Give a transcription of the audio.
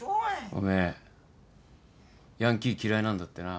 おめえヤンキー嫌いなんだってな？